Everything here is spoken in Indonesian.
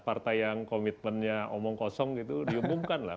partai yang komitmennya omong kosong itu diumumkanlah